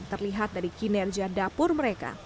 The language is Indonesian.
terlihat dari kinerja dapur mereka